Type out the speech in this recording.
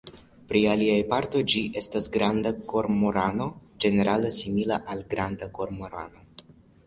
Pri aliaj partoj ĝi estas granda kormorano ĝenerale simila al la Granda kormorano.